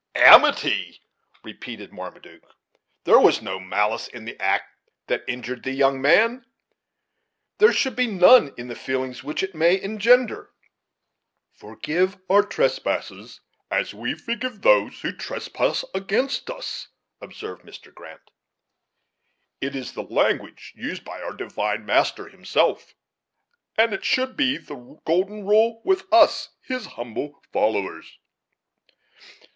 "Amity!" repeated Marmaduke; "there was no malice in the act that injured thee, young man; there should be none in the feelings which it may engender." "Forgive our trespasses as we forgive those who trespass against us," observed Mr. Grant, "is the language used by our Divine Master himself, and it should be the golden rule with us, his humble followers."